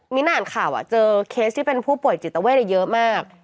อ่านข่าวเจอเคสที่เป็นผู้ป่วยจิตเวทเยอะมาก